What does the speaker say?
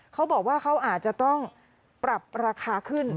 เขาบอกว่าเขาอาจจะต้องปรับราคาขึ้น